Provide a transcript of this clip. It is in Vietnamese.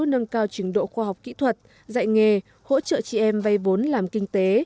nâng cao trình độ khoa học kỹ thuật dạy nghề hỗ trợ chị em vay vốn làm kinh tế